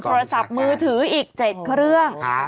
โทรศัพท์มือถืออีก๗เครื่อง